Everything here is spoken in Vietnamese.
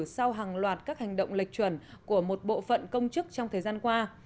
sau hàng loạt các hành động lệch chuẩn của một bộ phận công chức trong thời gian qua